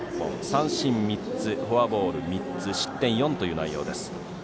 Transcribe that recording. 三振３つフォアボール３つ失点４という内容です。